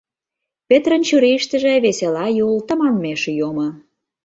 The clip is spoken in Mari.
Петрын чурийыштыже весела юл тыманмеш йомо.